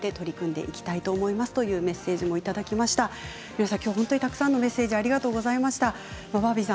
皆さんきょうはたくさんのメッセージありがとうございました。